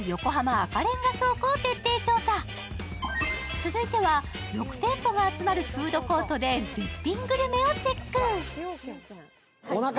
続いては、６店舗が集まるフードコートで絶品グルメをチェック。